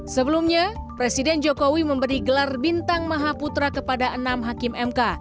sebelumnya presiden jokowi memberi gelar bintang maha putra kepada enam hakim mk